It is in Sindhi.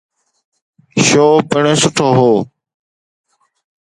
شو پڻ سٺو هو.